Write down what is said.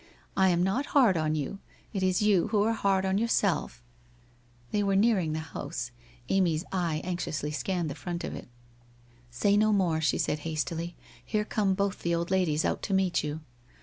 I am not hard on you, it is you who are hard on yourself ' They were nearing the house. Amy's eye anxiously scanned the front of it. ...' Say no more,' she said hastily, ' here come both the old ladies out to meet you